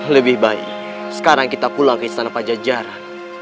lebih baik sekarang kita pulang ke istana pajajaran